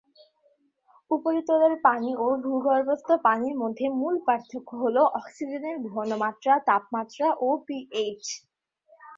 উপরিতলের পানি ও ভূগর্ভস্থ পানির মধ্যে মূল পার্থক্য হলো অক্সিজেন ঘনমাত্রা, তাপমাত্রা ও পিএইচ।